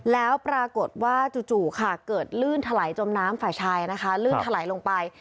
แล้วปรากฏว่าจู่ค่ะเกิดลื่นถลายจมน้ำฝ่ายชายนะคะลื่นถลายลงไป